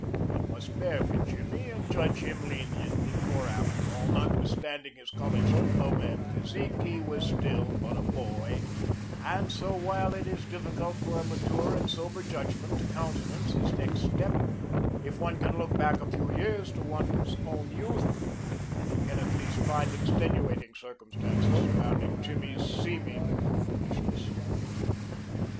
One must bear with Jimmy and judge him leniently, for after all, notwithstanding his college diploma and physique, he was still but a boy and so while it is difficult for a mature and sober judgment to countenance his next step, if one can look back a few years to his own youth he can at least find extenuating circumstances surrounding Jimmy's seeming foolishness.